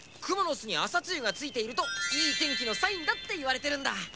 クモのすに朝つゆがついているといいてんきのサインだっていわれてるんだ。